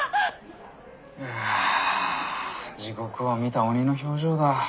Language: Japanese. わあ地獄を見た鬼の表情だ。